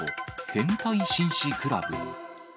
変態紳士クラブ。